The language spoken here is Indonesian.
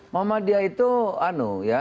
mahmadiyah itu anu ya